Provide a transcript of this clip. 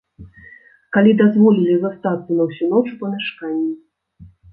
Калі дазволілі застацца на ўсю ноч у памяшканні.